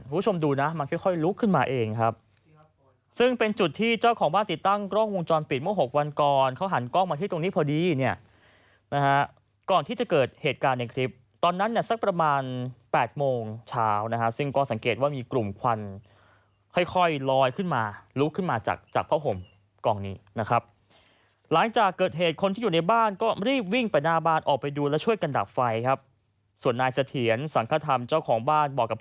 ผู้ชมดูนะมันค่อยลุกขึ้นมาเองครับซึ่งเป็นจุดที่เจ้าของบ้านติดตั้งกล้องวงจรปิดเมื่อหกวันก่อนเขาหันกล้องมาที่ตรงนี้พอดีเนี่ยนะฮะก่อนที่จะเกิดเหตุการณ์ในคลิปตอนนั้นเนี่ยสักประมาณ๘โมงเช้านะฮะซึ่งก็สังเกตว่ามีกลุ่มควันค่อยลอยขึ้นมาลุกขึ้นมาจากจากภาพห่มกล้องนี้นะครับ